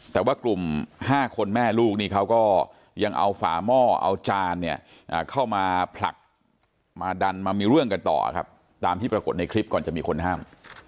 แต่ว่ากลุ่ม๕คนแม่ลูกนี่เขาก็ยังเอาฝาหม้อเอาจานเนี่ยเข้ามาผลักมาดันมามีเรื่องกันต่อครับตามที่ปรากฏในคลิปก่อนจะมีคนห้าม